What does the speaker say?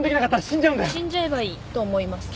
死んじゃえばいいと思います。